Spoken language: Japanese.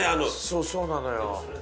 そうそうなのよ。